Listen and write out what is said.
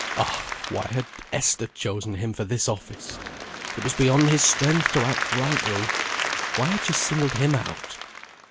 Oh! why had Esther chosen him for this office? It was beyond his strength to act rightly! Why had she singled him out?